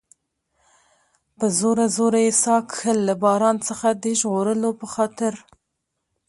په زوره زوره یې ساه کښل، له باران څخه د ژغورلو په خاطر.